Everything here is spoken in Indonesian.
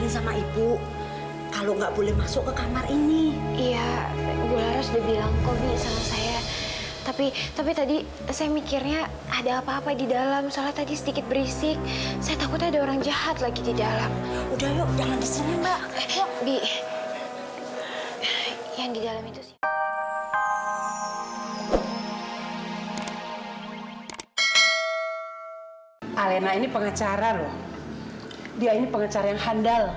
sampai jumpa di video selanjutnya